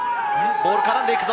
ボールに絡んでいくぞ。